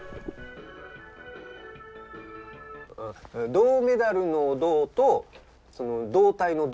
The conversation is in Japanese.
銅メダルの銅と胴体の胴。